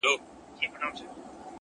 • چي آواز یې داسي ډک دی له هیبته ,